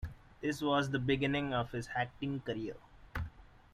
This was the beginning of his acting career.